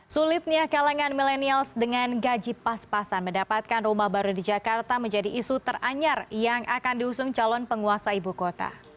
sulitnya kalangan milenials dengan gaji pas pasan mendapatkan rumah baru di jakarta menjadi isu teranyar yang akan diusung calon penguasa ibu kota